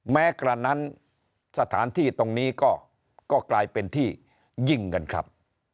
แม้กระนั้นสถานที่ตรงนี้ก็กลายเป็นที่ยิงกันครับ